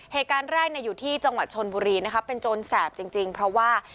เหตุการณ์แรกอยู่ที่จังหวัดชนบุรีนะคะเป็นโจรแสบจริงเพราะว่า